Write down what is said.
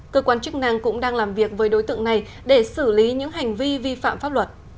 cơ quan chức năng cũng đang làm việc với đối tượng này để xử lý những hành vi vi phạm pháp luật